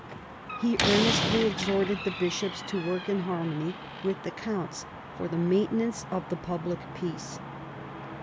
He earnestly exhorted the bishops to work in harmony with the counts for the maintenance of the public peace.